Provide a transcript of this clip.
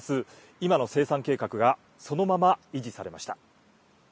今の生産計画がそのまま維持されました。